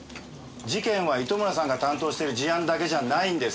事件は糸村さんが担当している事案だけじゃないんです。